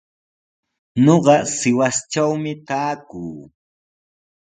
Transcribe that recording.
Ñuqa Sihuastrawmi taakuu.